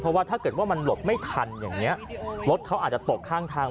เพราะว่าถ้าเกิดว่ามันหลบไม่ทันอย่างนี้รถเขาอาจจะตกข้างทาง